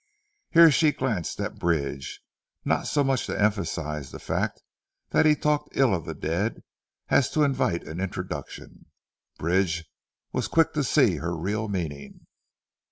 Here she glanced at Bridge. Not so much to emphasise the fact that he talked ill of the dead, as to invite an introduction. Bridge was quick to see her real meaning.